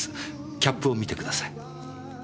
キャップを見てください。